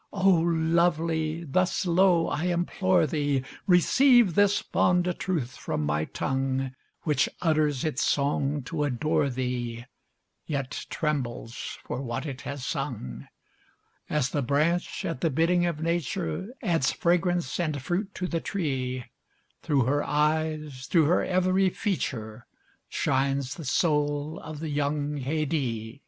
O Lovely! thus low I implore thee, Receive this fond truth from my tongue, Which utters its song to adore thee, Yet trembles for what it has sung: As the branch, at the bidding of Nature, Adds fragrance and fruit to the tree, Through her eyes, through her every feature, Shines the soul of the young Haidée.